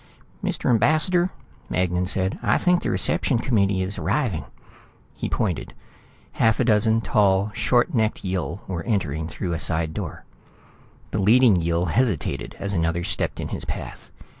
"Mr. Ambassador," Magnan said, "I think the reception committee is arriving." He pointed. Half a dozen tall, short necked Yill were entering through a side door. The leading Yill hesitated as another stepped in his path.